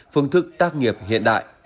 phương thức tác nghiệp hiện đại